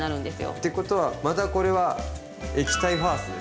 ってことはまたこれは「液体ファースト」ですね。